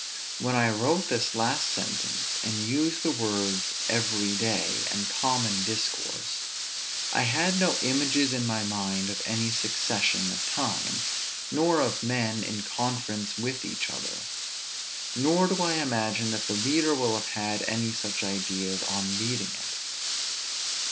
When I wrote this last sentence, and used the words every day and common discourse, I had no images in my mind of any succession of time; nor of men in conference with each other; nor do I imagine that the reader will have any such ideas on reading it.